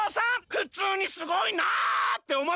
ふつうにすごいなっておもったから。